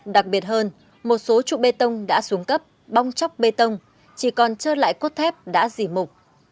đặc biệt hơn một số trụ bê tông đã xuống cấp bong chóc bê tông chỉ còn trơ lại cốt thép đã dì mục